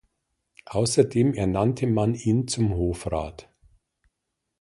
Außerdem ernannte man ihn zum Hofrat.